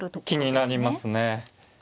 気になりますね。